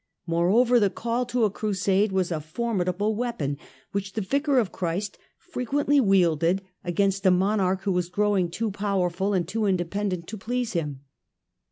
Moreover, the call to a Crusade was a formidable weapon which the Vicar of Christ frequently wielded against a monarch who was growing too powerful and too independent to please him.